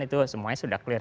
itu semuanya sudah clear